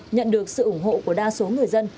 nhận được sự ủng hộ của đa số người dân